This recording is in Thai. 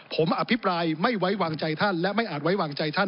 ผมอภิปรายไม่ไว้วางใจท่านและไม่อาจไว้วางใจท่าน